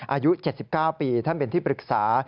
อายุ๗๙ปีท่านเป็นที่ปรึกษา